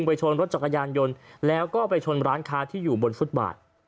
ไปชนรถจักรยานยนต์แล้วก็ไปชนร้านค้าที่อยู่บนฟุตบาท